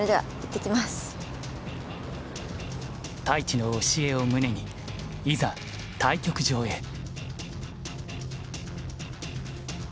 太地の教えを胸にいざ対局場へ。